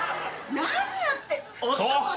何やって。